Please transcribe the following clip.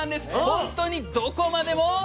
本当にどこまでも。